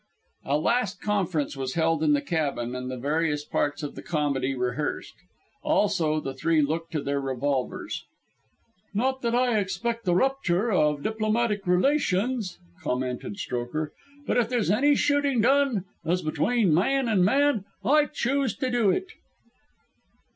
A last conference was held in the cabin, and the various parts of the comedy rehearsed. Also the three looked to their revolvers. "Not that I expect a rupture of diplomatic relations," commented Strokher; "but if there's any shooting done, as between man and man, I choose to do it."